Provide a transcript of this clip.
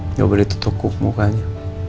nggak boleh tutup kuk mukanya